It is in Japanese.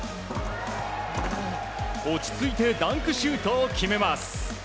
落ち着いてダンクシュートを決めます。